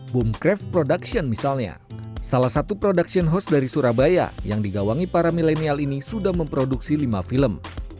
boomcraft production misalnya salah satu production house dari surabaya yang digawangi para milenial ini sudah memproduksi lima film